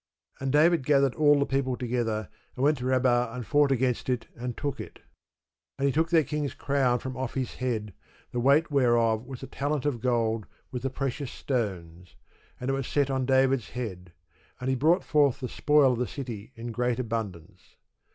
And David gathered all the people together, and went to Rabbah, and fought against it, and took it. And he took their king's crown from off his head, the weight whereof was a talent of gold with the precious stones: and it was set on David's head. And he brought forth the spoil of the city in great abundance.